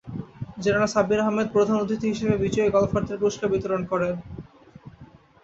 General Sabbir Ahmed প্রধান অতিথি হিসেবে বিজয়ী গলফারদের পুরস্কার বিতরণ করেন।